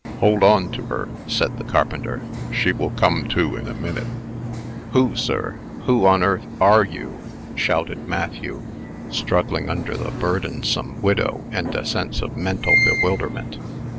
"Hold on to her," said the carpenter. "She will come to in a minute." "Who, sir who on earth are you?" shouted Matthew, struggling under the burdensome widow and a sense of mental bewilderment.